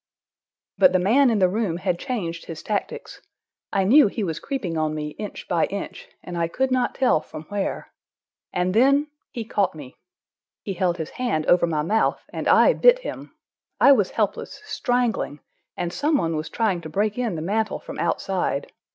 But the man in the room had changed his tactics. I knew he was creeping on me, inch by inch, and I could not tell from where. And then—he caught me. He held his hand over my mouth, and I bit him. I was helpless, strangling,—and some one was trying to break in the mantel from outside.